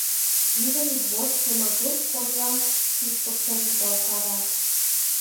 Йӱдым йӱдвошт Шемагур кожлам шӱшпык шергылтара.